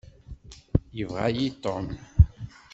Yebɣa-yi Tom.